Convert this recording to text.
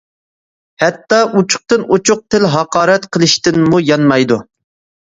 ھەتتا ئوچۇقتىن ئوچۇق تىل-ھاقارەت قىلىشتىنمۇ يانمايدۇ.